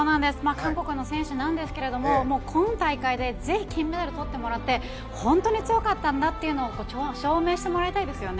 韓国の選手なんですが今大会でぜひ、金メダルを取ってもらって本当に強かったんだというのを証明してもらいたいですね。